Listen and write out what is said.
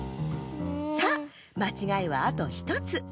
さあまちがいはあと１つ。